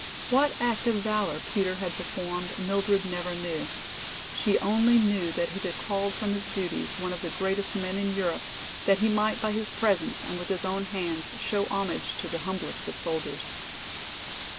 What act of valor Peter had performed Mildred never knew. She only knew that it had called from his duties one of the greatest men in Europe, that he might by his presence and with his own hands show homage to the humblest of soldiers.